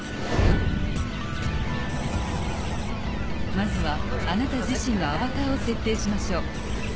まずはあなた自身のアバターを設定しましょう。